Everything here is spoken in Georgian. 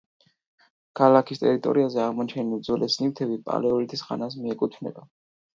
ქალაქის ტერიტორიაზე აღმოჩენილი უძველესი ნივთები პალეოლითის ხანას მიეკუთვნება.